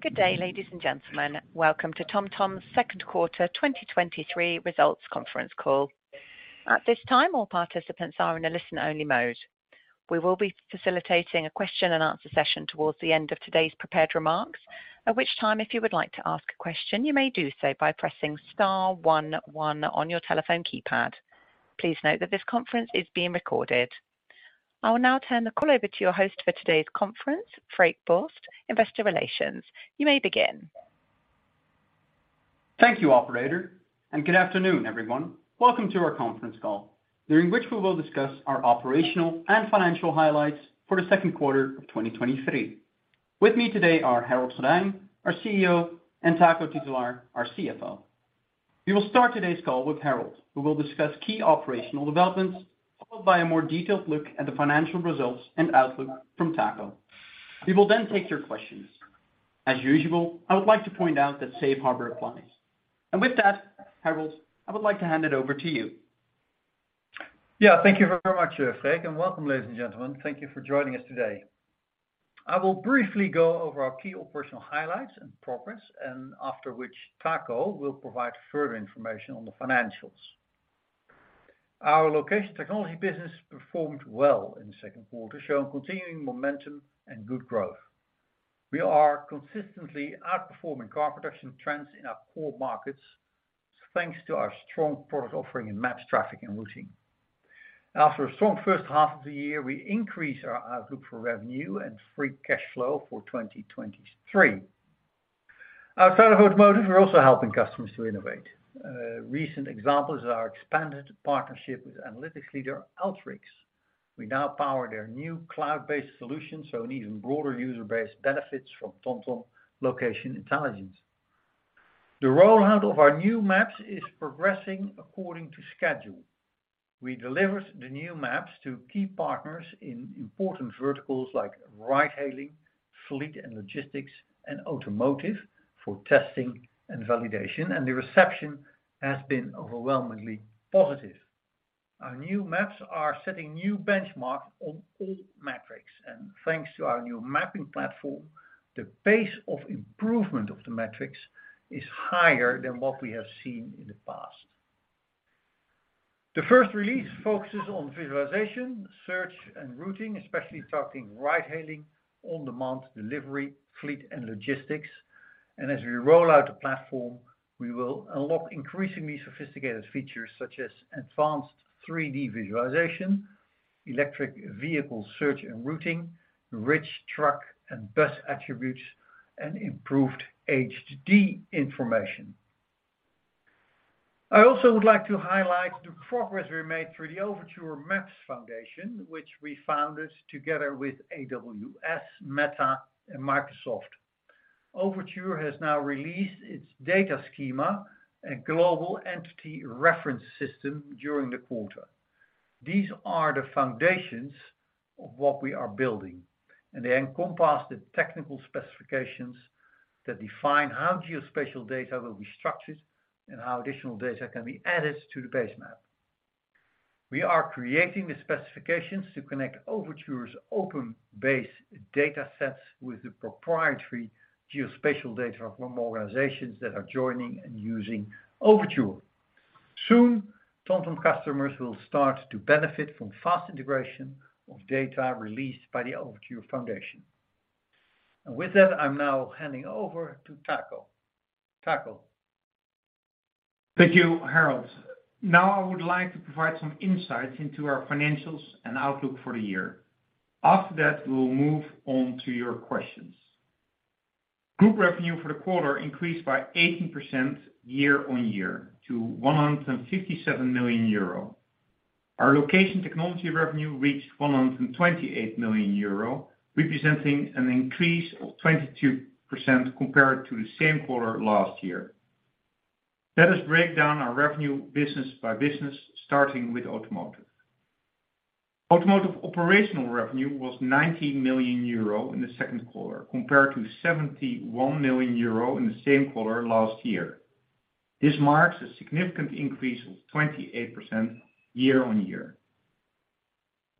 Good day, ladies and gentlemen. Welcome to TomTom's Second Quarter, 2023 Results Conference call. At this time, all participants are in a listen-only mode. We will be facilitating a question and answer session towards the end of today's prepared remarks. At which time, if you would like to ask a question, you may do so by pressing star one one on your telephone keypad. Please note that this conference is being recorded. I will now turn the call over to your host for today's conference, Freek Borst, Investor Relations. You may begin. Thank you, operator, and good afternoon, everyone. Welcome to our conference call, during which we will discuss our operational and financial highlights for the second quarter of twenty twenty-three. With me today are Harold Goddijn, our CEO, and Taco Titulaer, our CFO. We will start today's call with Harold, who will discuss key operational developments, followed by a more detailed look at the financial results and outlook from Taco. We will then take your questions. As usual, I would like to point out that Safe Harbor applies. With that, Harold, I would like to hand it over to you. Yeah, thank you very much, Freek Borst, welcome, ladies and gentlemen. Thank you for joining us today. I will briefly go over our key operational highlights and progress, and after which Taco Titulaer will provide further information on the financials. Our location technology business performed well in the second quarter, showing continuing momentum and good growth. We are consistently outperforming car production trends in our core markets, thanks to our strong product offering in maps, traffic, and routing. After a strong first half of the year, we increased our outlook for revenue and free cash flow for 2023. Outside of automotive, we're also helping customers to innovate. Recent examples are expanded partnership with analytics leader Alteryx. We now power their new cloud-based solution, so an even broader user base benefits from TomTom location intelligence. The rollout of our new maps is progressing according to schedule. We delivered the new maps to key partners in important verticals like ride-hailing, fleet and logistics, and automotive for testing and validation, and the reception has been overwhelmingly positive. Our new maps are setting new benchmarks on all metrics, and thanks to our new mapping platform, the pace of improvement of the metrics is higher than what we have seen in the past. The first release focuses on visualization, search, and routing, especially targeting ride-hailing, on-demand delivery, fleet, and logistics. As we roll out the platform, we will unlock increasingly sophisticated features such as advanced 3D visualization, electric vehicle search and routing, rich truck and bus attributes, and improved HD information. I also would like to highlight the progress we made through the Overture Maps Foundation, which we founded together with AWS, Meta, and Microsoft. Overture has now released its data schema and Global Entity Reference System during the quarter. These are the foundations of what we are building, they encompass the technical specifications that define how geospatial data will be structured and how additional data can be added to the base map. We are creating the specifications to connect Overture's open base data sets with the proprietary geospatial data from organizations that are joining and using Overture. Soon, TomTom customers will start to benefit from fast integration of data released by the Overture Foundation. With that, I'm now handing over to Taco. Taco? Thank you, Harold. I would like to provide some insights into our financials and outlook for the year. After that, we'll move on to your questions. Group revenue for the quarter increased by 18% year-on-year to 157 million euro. Our location technology revenue reached 128 million euro, representing an increase of 22% compared to the same quarter last year. Let us break down our revenue business by business, starting with automotive. Automotive operational revenue was 90 million euro in the second quarter, compared to 71 million euro in the same quarter last year. This marks a significant increase of 28% year-on-year.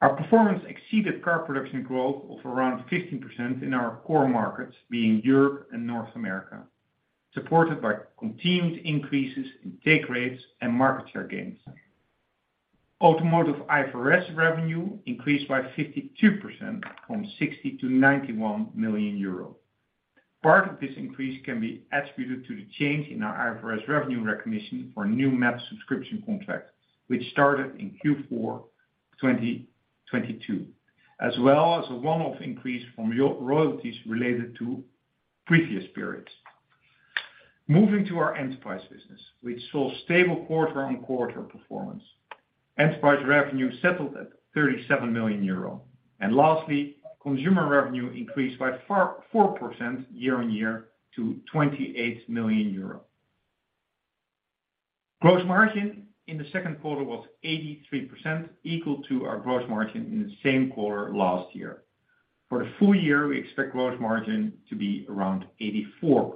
Our performance exceeded car production growth of around 15% in our core markets, being Europe and North America, supported by continued increases in take rates and market share gains. Automotive IFRS revenue increased by 52% from 60 million-91 million euros. Part of this increase can be attributed to the change in our IFRS revenue recognition for new map subscription contracts, which started in Q4 2022, as well as a one-off increase from royalties related to previous periods. Mog to our enterprise business, which saw stable quarter-on-quarter performance. Enterprise revenue settled at 37 million euro. Lastly, consumer revenue increased by 4% year-on-year to 28 million euro. Gross margin in the second quarter was 83%, equal to our gross margin in the same quarter last year. For the full year, we expect gross margin to be around 84%.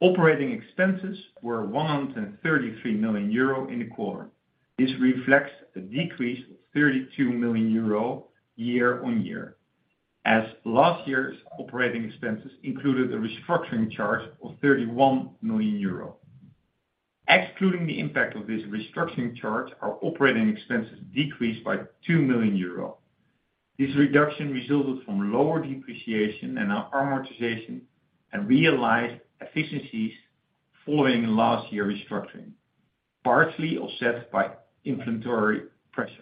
Operating expenses were 133 million euro in the quarter. This reflects a decrease of 32 million euro, year-on-year, as last year's operating expenses included a restructuring charge of 31 million euro. Excluding the impact of this restructuring charge, our operating expenses decreased by 2 million euro. This reduction resulted from lower depreciation and amortization, and realized efficiencies following last year's restructuring, partially offset by inflationary pressures.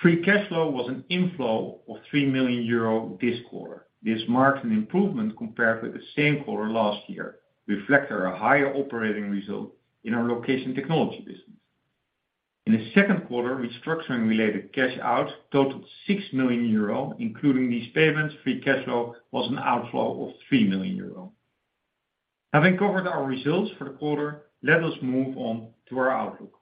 Free cash flow was an inflow of 3 million euro this quarter. This marks an improvement compared with the same quarter last year, reflecting a higher operating result in our location technology business. In the second quarter, restructuring related cash out totaled 6 million euro, including these payments, free cash flow was an outflow of 3 million euro. Having covered our results for the quarter, let us move on to our outlook.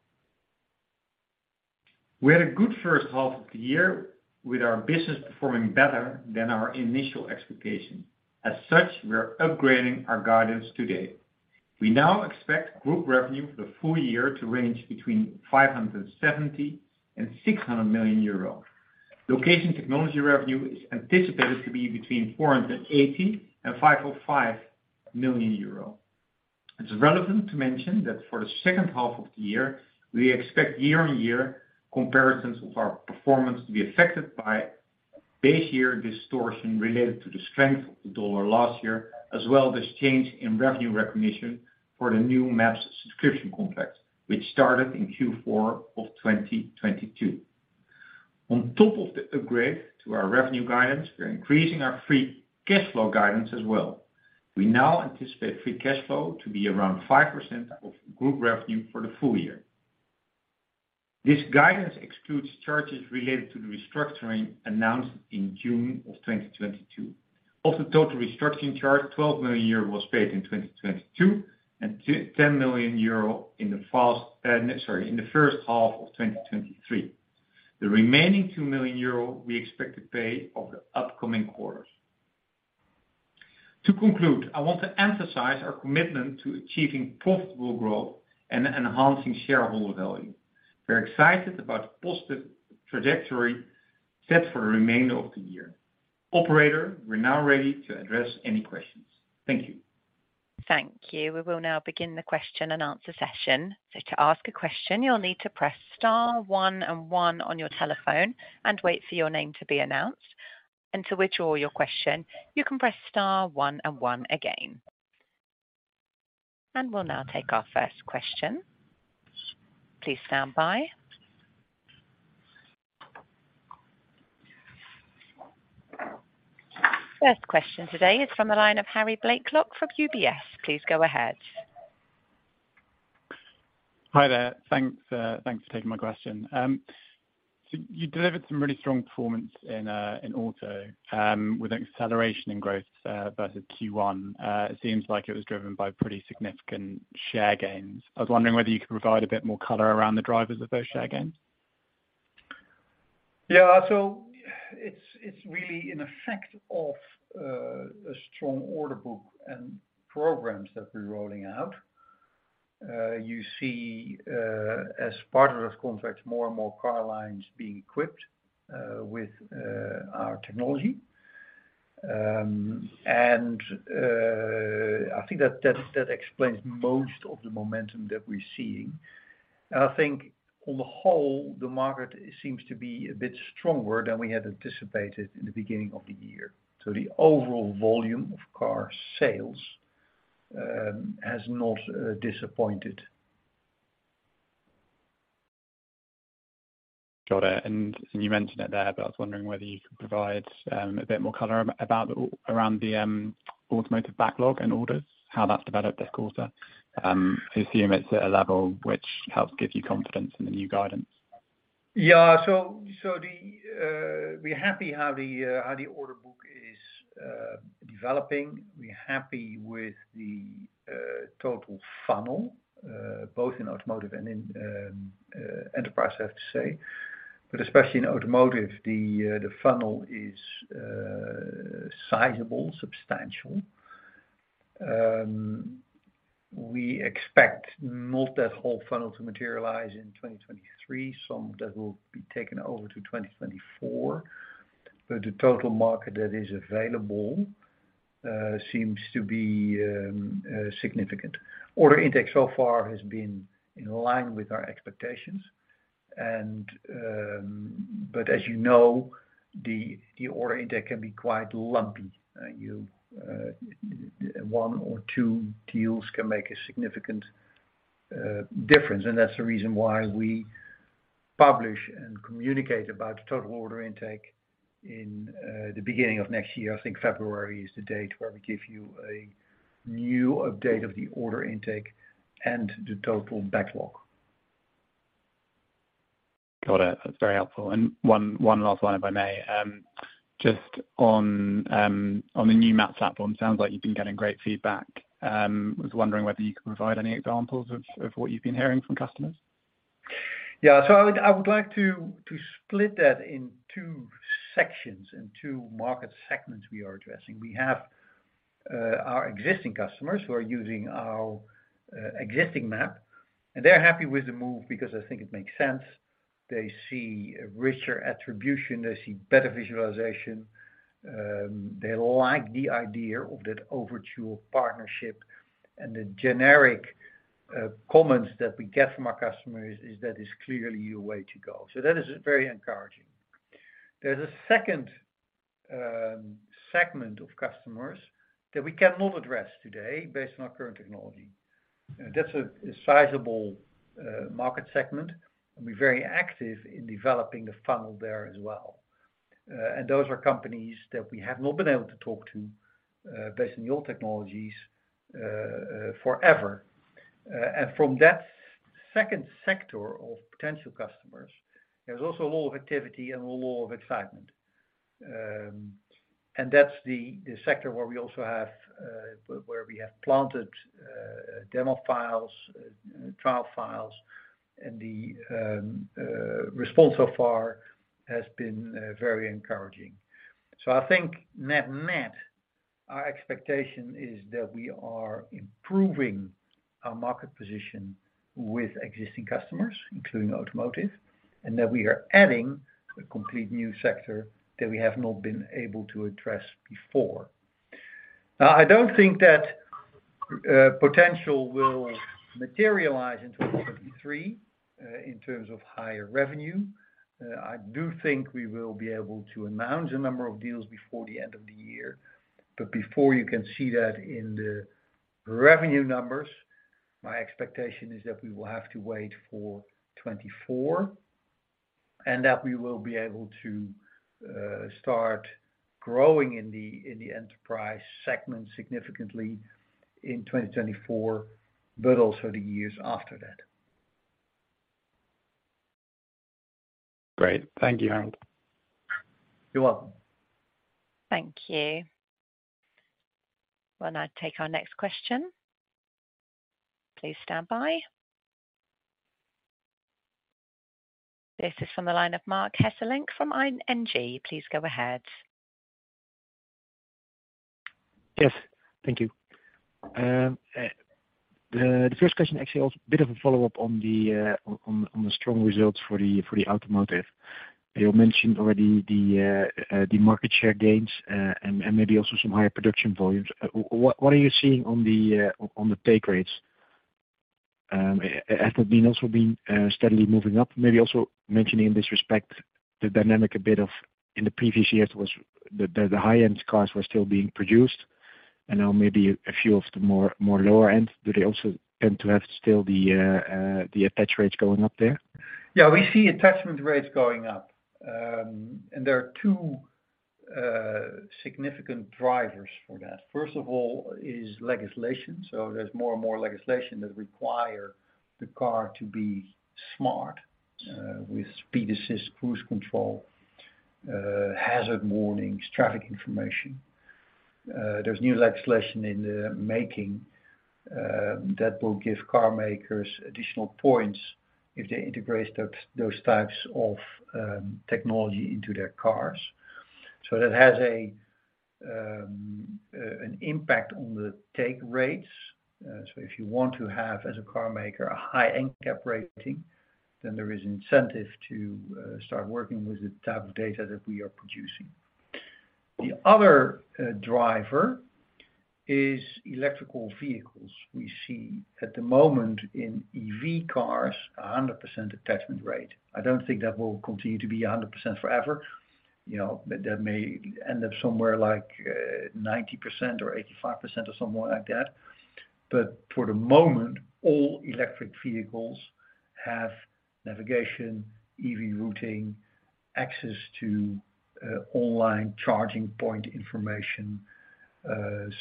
We had a good first half of the year, with our business performing better than our initial expectations. As such, we are upgrading our guidance today. We now expect group revenue for the full year to range between 570 million-600 million euro. Location technology revenue is anticipated to be between 480 million-505 million euro. It's relevant to mention that for the second half of the year, we expect year-on-year comparisons of our performance to be affected by base year distortion related to the strength of the dollar last year, as well as change in revenue recognition for the new maps subscription contract, which started in Q4 of 2022. On top of the upgrade to our revenue guidance, we're increasing our free cash flow guidance as well. We now anticipate free cash flow to be around 5% of group revenue for the full year. This guidance excludes charges related to the restructuring announced in June of 2022. Of the total restructuring charge, 12 million euro was paid in 2022, and 10 million euro, sorry, in the first half of 2023. The remaining 2 million euro we expect to pay over the upcoming quarters. To conclude, I want to emphasize our commitment to achieving profitable growth and enhancing shareholder value. We're excited about the positive trajectory set for the remainder of the year. Operator, we're now ready to address any questions. Thank you. Thank you. We will now begin the question and answer session. To ask a question, you'll need to press star one and one on your telephone and wait for your name to be announced. To withdraw your question, you can press star one and one again. We'll now take our first question. Please stand by. First question today is from a line of François-Xavier Bouvignies from UBS. Please go ahead. Hi there, thanks for taking my question. You delivered some really strong performance in Auto, with an acceleration in growth versus Q1. It seems like it was driven by pretty significant share gains. I was wondering whether you could provide a bit more color around the drivers of those share gains? It's really an effect of a strong order book and programs that we're rolling out. You see, as part of this contract, more and more car lines being equipped with our technology. I think that explains most of the momentum that we're seeing. I think on the whole, the market seems to be a bit stronger than we had anticipated in the beginning of the year. The overall volume of car sales has not disappointed. Got it. You mentioned it there, but I was wondering whether you could provide a bit more color around the automotive backlog and orders, how that's developed this quarter. I assume it's at a level which helps give you confidence in the new guidance. Yeah. We're happy how the order book is developing. We're happy with the total funnel, both in automotive and in enterprise, I have to say. Especially in automotive, the funnel is sizable, substantial. We expect not that whole funnel to materialize in 2023. Some of that will be taken over to 2024, but the total market that is available seems to be significant. Order intake so far has been in line with our expectations. As you know, the order intake can be quite lumpy. You, one or two deals can make a significant difference, and that's the reason why we publish and communicate about the total order intake in the beginning of next year. I think February is the date where we give you a new update of the order intake and the total backlog. Got it. That's very helpful. One last one, if I may. Just on the new maps platform, sounds like you've been getting great feedback. I was wondering whether you could provide any examples of what you've been hearing from customers?... Yeah, I would like to split that in two sections and two market segments we are addressing. We have our existing customers who are using our existing map, and they're happy with the move because I think it makes sense. They see a richer attribution, they see better visualization. They like the idea of that Overture partnership, and the generic comments that we get from our customers is that it's clearly a way to go. That is very encouraging. There's a second segment of customers that we cannot address today based on our current technology. That's a sizable market segment, and we're very active in developing the funnel there as well. Those are companies that we have not been able to talk to based on the old technologies forever. From that second sector of potential customers, there's also a lot of activity and a lot of excitement. That's the sector where we also have, where we have planted, demo files, trial files, and the response so far has been very encouraging. I think net, our expectation is that we are improving our market position with existing customers, including automotive, and that we are adding a complete new sector that we have not been able to address before. I don't think that potential will materialize in 2023 in terms of higher revenue. I do think we will be able to announce a number of deals before the end of the year, but before you can see that in the revenue numbers, my expectation is that we will have to wait for 2024, and that we will be able to start growing in the enterprise segment significantly in 2024, but also the years after that. Great. Thank you, Harold. You're welcome. Thank you. We'll now take our next question. Please stand by. This is from the line of Marc Hesselink from ING. Please go ahead. Yes, thank you. The first question actually is a bit of a follow-up on the strong results for the automotive. You mentioned already the market share gains and maybe also some higher production volumes. What are you seeing on the take rates? Has that been also been steadily moving up? Maybe also mentioning in this respect, the dynamic a bit of in the previous years was the high-end cars were still being produced, and now maybe a few of the more lower end. Do they also tend to have still the attach rates going up there? Yeah, we see attachment rates going up. There are two significant drivers for that. First of all, is legislation. There's more and more legislation that require the car to be smart with speed assist, cruise control, hazard warnings, traffic information. There's new legislation in the making that will give car makers additional points if they integrate those types of technology into their cars. That has an impact on the take rates. If you want to have, as a car maker, a high NCAP rating, then there is incentive to start working with the type of data that we are producing. The other driver is electrical vehicles. We see at the moment in EV cars, 100% attachment rate. I don't think that will continue to be 100% forever. You know, that may end up somewhere like, 90% or 85% or somewhere like that. For the moment, all electric vehicles have navigation, EV routing, access to online charging point information,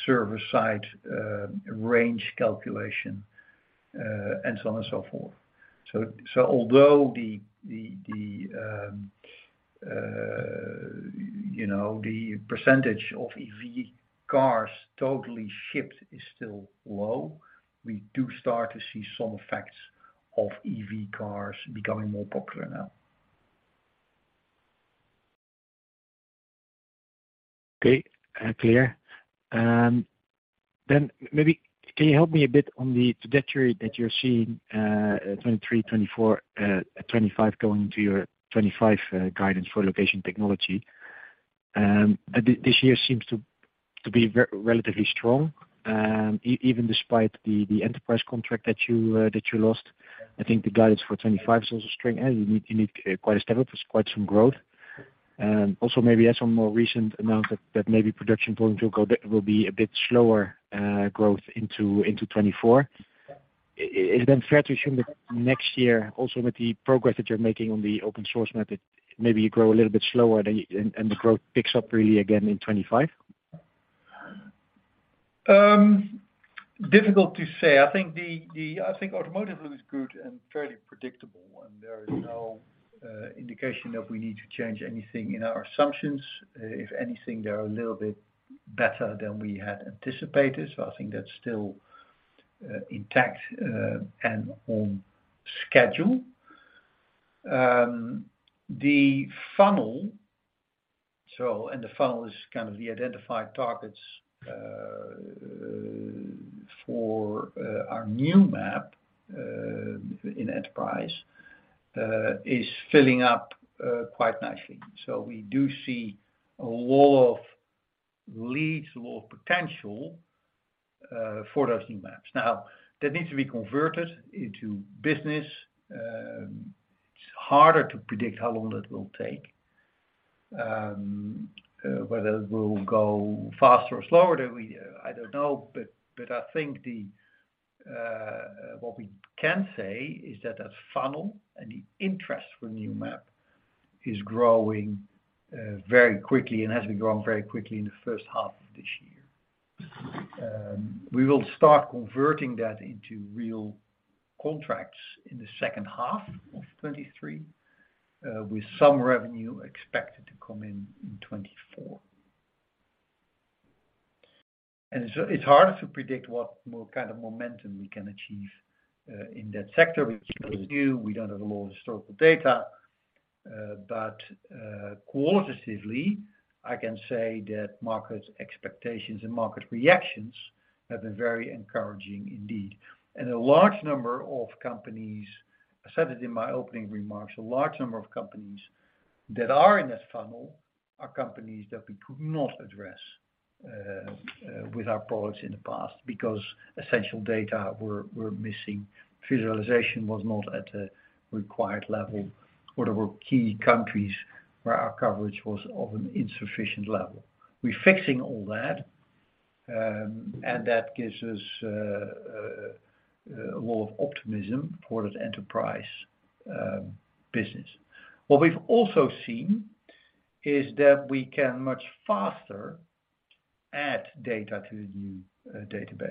server site, range calculation, and so on and so forth. Although the, you know, the percentage of EV cars totally shipped is still low, we do start to see some effects of EV cars becoming more popular now. Clear. Then maybe can you help me a bit on the trajectory that you're seeing, 2023, 2024, 2025, going into your 2025 guidance for location technology? This year seems to be relatively strong, even despite the enterprise contract that you lost. I think the guidance for 2025 is also strong, and you need quite a step up. It's quite some growth. Also, maybe as some more recent amount that production volume will be a bit slower growth into 2024. Is it then fair to assume that next year, also with the progress that you're making on the open source method, maybe you grow a little bit slower than, and the growth picks up really again in 2025? Difficult to say. I think automotive looks good and fairly predictable, and there is indication that we need to change anything in our assumptions. If anything, they are a little bit better than we had anticipated, so I think that's still intact and on schedule. The funnel, and the funnel is kind of the identified targets for our new map in enterprise, is filling up quite nicely. We do see a lot of leads or potential for those new maps. Now, that needs to be converted into business. It's harder to predict how long that will take. Whether it will go faster or slower than we, I don't know, but I think the what we can say is that that funnel and the interest for new map is growing very quickly and has been growing very quickly in the first half of this year. We will start converting that into real contracts in the second half of 2023, with some revenue expected to come in in 2024. It's harder to predict what more kind of momentum we can achieve, in that sector, which is new. We don't have a lot of historical data. But, qualitatively, I can say that market expectations and market reactions have been very encouraging indeed. A large number of companies, I said it in my opening remarks, a large number of companies that are in this funnel are companies that we could not address with our products in the past because essential data were missing, visualization was not at the required level, or there were key countries where our coverage was of an insufficient level. We're fixing all that, and that gives us a lot of optimism for this enterprise business. We've also seen is that we can much faster add data to the new database.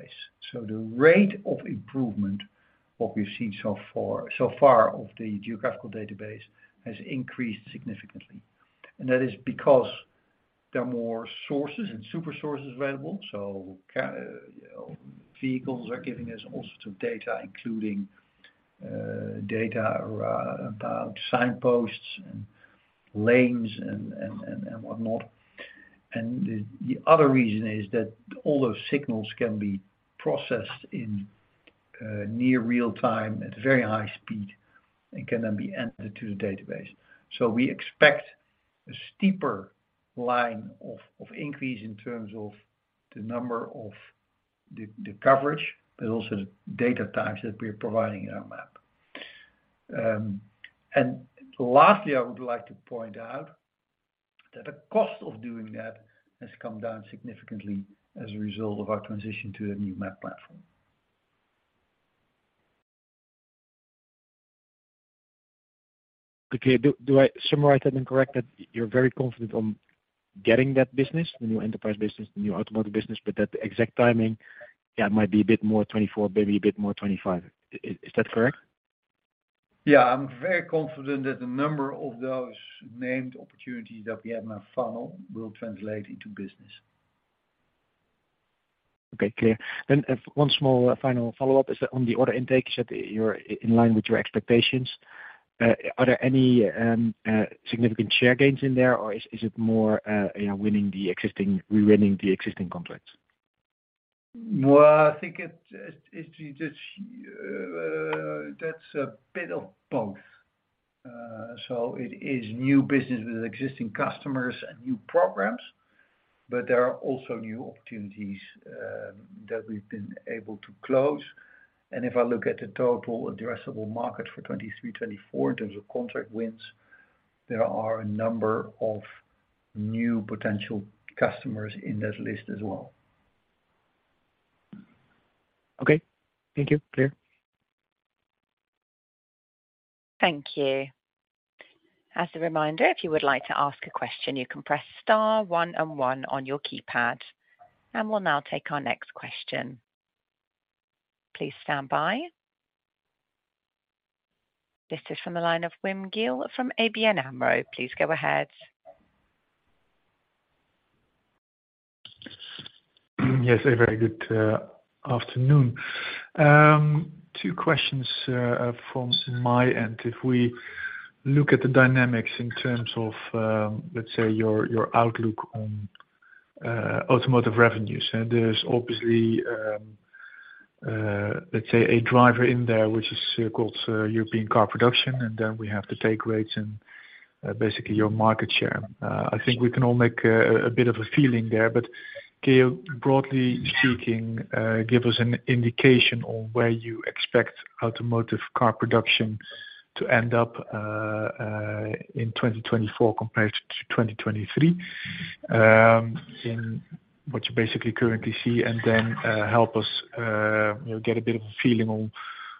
The rate of improvement, what we've seen so far of the geographical database, has increased significantly. That is because there are more sources and super sources available, so vehicles are giving us all sorts of data, including data about signposts and lanes and whatnot. The other reason is that all those signals can be processed in near real time, at very high speed, and can then be entered to the database. We expect a steeper line of increase in terms of the number of the coverage, but also the data types that we're providing in our map. Lastly, I would like to point out that the cost of doing that has come down significantly as a result of our transition to a new map platform. Okay. Do I summarize that incorrect, that you're very confident on getting that business, the new enterprise business, the new automotive business, but that the exact timing, yeah, it might be a bit more 2024, maybe a bit more 2025. Is that correct? Yeah, I'm very confident that the number of those named opportunities that we have in our funnel will translate into business. Okay, clear. One small final follow-up. Is that on the order intake, you said that you're in line with your expectations, are there any significant share gains in there, or is it more, you know, winning the existing contracts? Well, I think it that's a bit of both. It is new business with existing customers and new programs, but there are also new opportunities that we've been able to close. If I look at the total addressable market for 2023, 2024, in terms of contract wins, there are a number of new potential customers in that list as well. Okay. Thank you. Clear. Thank you. As a reminder, if you would like to ask a question, you can press star one and one on your keypad, we'll now take our next question. Please stand by. This is from the line of Wim Gille from ABN AMRO. Please go ahead. Yes, a very good afternoon. Two questions from my end. If we look at the dynamics in terms of, let's say, your outlook on automotive revenues, and there's obviously, let's say a driver in there, which is called European car production, and then we have the take rates and basically your market share. I think we can all make a bit of a feeling there. Can you, broadly speaking, give us an indication on where you expect automotive car production to end up in 2024 compared to 2023, in what you basically currently see, and then help us, you know, get a bit of a feeling on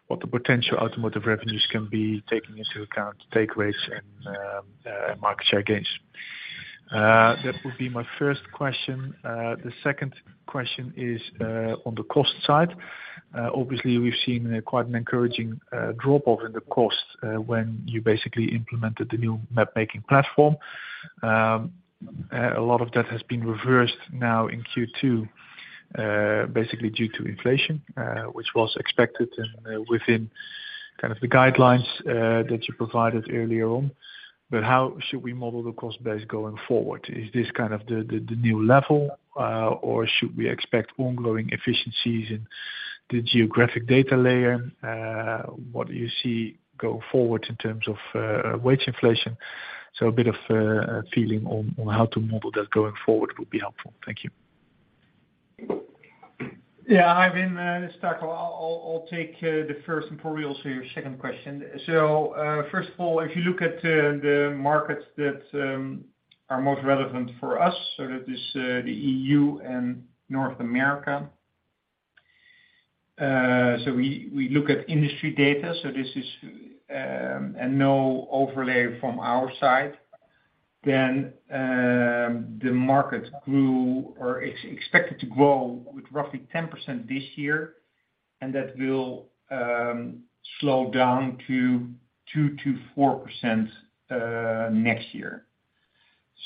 what the potential automotive revenues can be, taking into account the takeaways and market share gains? That would be my first question. The second question is on the cost side. Obviously, we've seen quite an encouraging drop-off in the cost when you basically implemented the new map making platform. A lot of that has been reversed now in Q2, basically due to inflation, which was expected and within kind of the guidelines that you provided earlier on. How should we model the cost base going forward? Is this kind of the, the new level, or should we expect ongoing efficiencies in the geographic data layer? What do you see go forward in terms of wage inflation? A bit of a feeling on how to model that going forward would be helpful. Thank you. Hi, Vin, it's Taco. I'll take the first and for real, so your second question. First of all, if you look at the markets that are most relevant for us, the EU and North America. We look at industry data, this is no overlay from our side, the market grew or is expected to grow with roughly 10% this year, that will slow down to 2%-4% next year.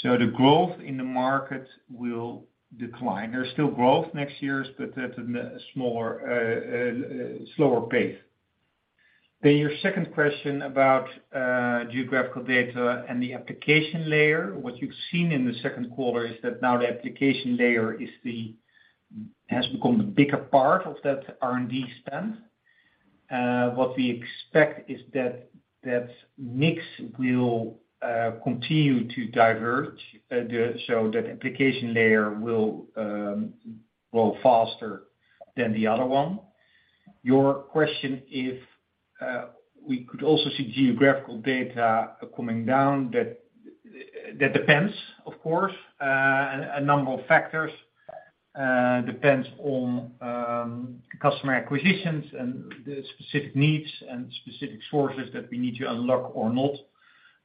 The growth in the market will decline. There's still growth next year, but at a smaller, slower pace. Your second question about geographical data and the application layer. What you've seen in the second quarter is that now the application layer is the... Has become a bigger part of that R&D spend. What we expect is that that mix will continue to diverge so that application layer will grow faster than the other one. Your question if we could also see geographical data coming down, that depends, of course, on a number of factors, depends on customer acquisitions and the specific needs and specific sources that we need to unlock or not,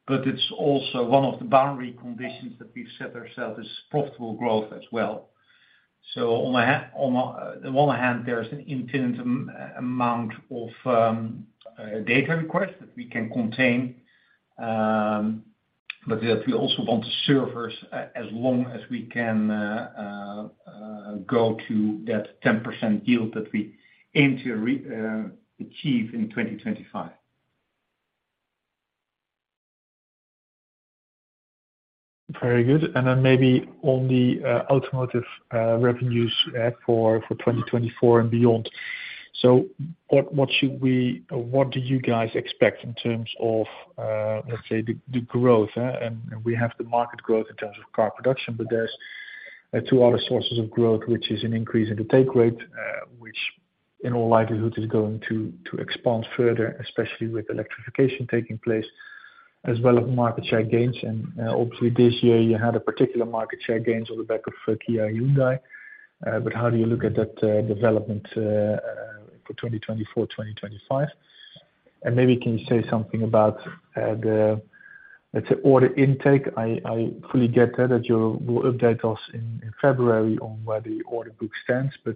but it's also one of the boundary conditions that we've set ourselves is profitable growth as well. On one hand, there's an infinite amount of data requests that we can contain, but that we also want to serve as long as we can go to that 10% yield that we aim to achieve in 2025. Very good. Then maybe on the automotive revenues for 2024 and beyond. What should we, or what do you guys expect in terms of, let's say, the growth, and we have the market growth in terms of car production, but there's two other sources of growth, which is an increase in the take rate, which in all likelihood is going to expand further, especially with electrification taking place, as well as market share gains. Obviously this year you had a particular market share gains on the back of Kia Hyundai, but how do you look at that development for 2024-2025? Maybe can you say something about the, let's say, order intake. I fully get that you will update us in February on where the order book stands, but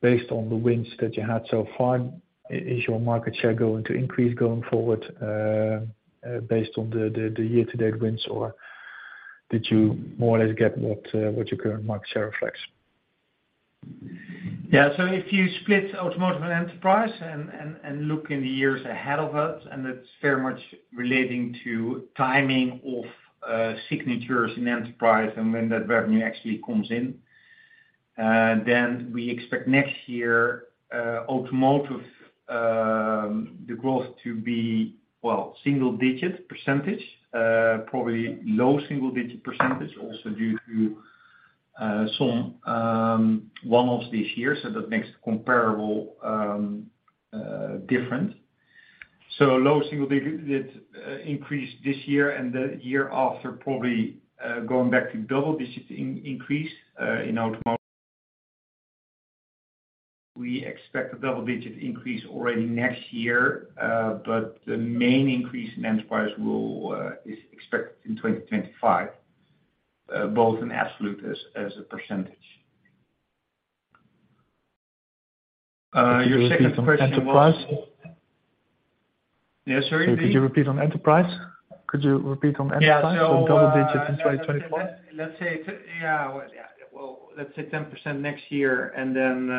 based on the wins that you had so far, is your market share going to increase going forward, based on the year-to-date wins, or did you more or less get what your current market share reflects? If you split automotive and enterprise and look in the years ahead of us, it's very much relating to timing of signatures in enterprise and when that revenue actually comes in, then we expect next year, automotive, the growth to be, well, single-digit %, probably low single-digit %, also due to some one-offs this year, so that makes comparable different. Low single-digit increase this year and the year after, probably, going back to double-digit increase in automotive. We expect a double-digit increase already next year, the main increase in enterprise will is expected in 2025, both in absolute as a %. Your second question was- Enterprise. Yes, sorry, repeat? Could you repeat on enterprise? Yeah. The double digit in 2025. Let's say. Yeah, well, let's say 10% next year, and then,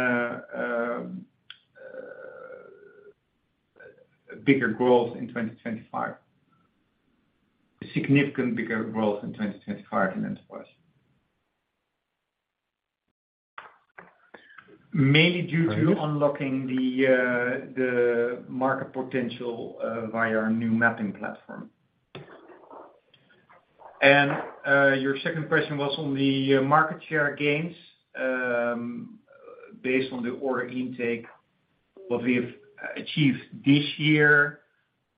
bigger growth in 2025. Significant bigger growth in 2025 in enterprise. Very good.... unlocking the market potential via our new mapping platform. Your second question was on the market share gains based on the order intake. What we've achieved this year,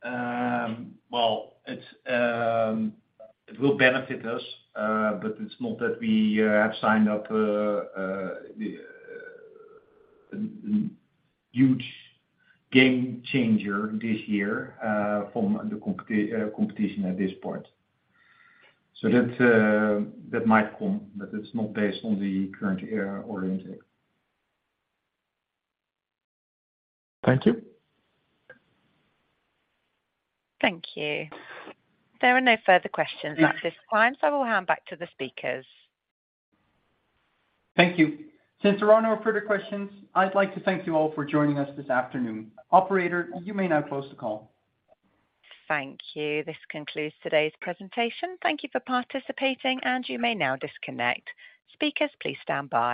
well, it's, it will benefit us, but it's not that we have signed up a huge game changer this year from the competition at this point. That might come, but it's not based on the current order intake. Thank you. Thank you. There are no further questions at this time, so I will hand back to the speakers. Thank you. Since there are no further questions, I'd like to thank you all for joining us this afternoon. Operator, you may now close the call. Thank you. This concludes today's presentation. Thank you for participating, and you may now disconnect. Speakers, please stand by.